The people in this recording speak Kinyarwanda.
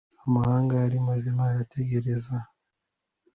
Amahanga ari muzima arategereza,